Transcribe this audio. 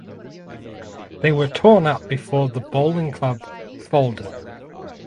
They were torn up before the bowling club folded.